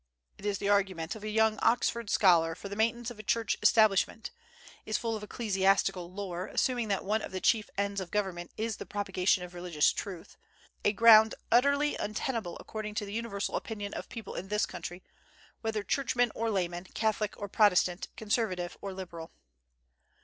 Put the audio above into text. It is the argument of a young Oxford scholar for the maintenance of a Church establishment; is full of ecclesiastical lore, assuming that one of the chief ends of government is the propagation of religious truth, a ground utterly untenable according to the universal opinion of people in this country, whether churchmen or laymen, Catholic or Protestant, Conservative or liberal.